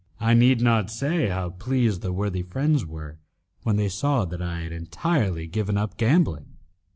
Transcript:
I need not say how pleased the worthy friends were, when they saw that I had entirely given up gambling.